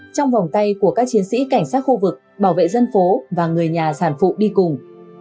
trong vòng tay của các chiến sĩ cảnh sát khu vực bảo vệ dân phố và người nhà sản phụ đi cùng